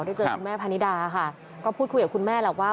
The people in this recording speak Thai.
เจอคุณแม่พนิดาค่ะก็พูดคุยกับคุณแม่แหละว่า